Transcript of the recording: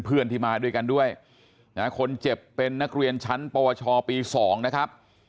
เพื่อนที่มาด้วยกันด้วยนะคนเจ็บเป็นนักเรียนชั้นปวชปี๒นะครับ